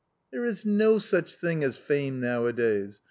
"There is no such thing as fame nowadays.